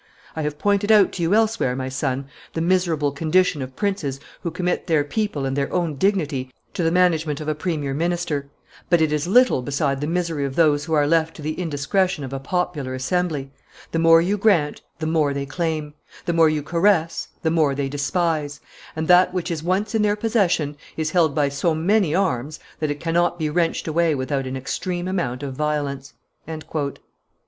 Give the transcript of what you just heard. I have pointed out to you elsewhere, my son, the miserable condition of princes who commit their people and their own dignity to the management of a premier minister; but it is little beside the misery of those who are left to the indiscretion of a popular assembly; the more you grant, the more they claim; the more you caress, the more they despise; and that which is once in their possession is held by so many arms that it cannot be wrenched away without an extreme amount of violence."